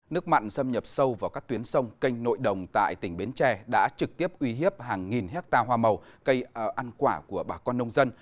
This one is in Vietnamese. nước mặn xâm nhập sâu vào các tuyến sông kênh nội đồng tại tỉnh bến tre đã trực tiếp uy hiếp hàng nghìn hectare hoa màu cây ăn quả của bà con nông dân